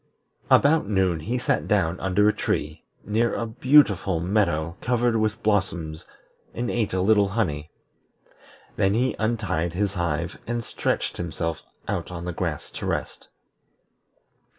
About noon he sat down under a tree, near a beautiful meadow covered with blossoms, and ate a little honey. Then he untied his hive and stretched himself out on the grass to rest.